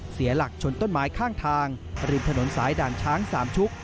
เสียหลักชนต้นไม้ข้างทางริมถนนสายด่านช้างสามชุก